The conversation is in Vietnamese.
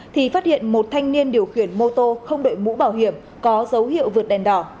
thì phát hiện một thanh niên điều khiển mô tô không đội mũ bảo hiểm có dấu hiệu vượt đèn đỏ